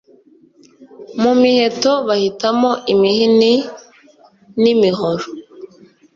Mu miheto bahitamo imihini n'imihoro